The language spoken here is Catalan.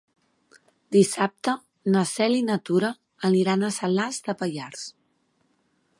Dissabte na Cel i na Tura aniran a Salàs de Pallars.